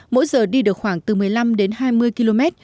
mỗi giờ đi được khoảng từ một mươi năm đến hai mươi km